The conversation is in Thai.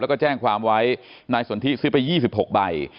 แล้วก็แจ้งความไว้นายสนทิซื้อไป๒๖ใบ